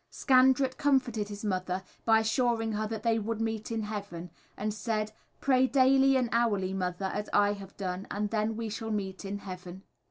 Scandrett comforted his mother by assuring her that they would meet in heaven, and said, "Pray daily and hourly, mother, as I have done, and then we shall meet in heaven."